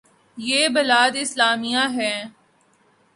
یہ بلاد اسلامیہ ہیں۔